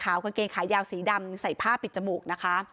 กางเกงขายาวสีดำใส่ผ้าปิดจมูกนะคะ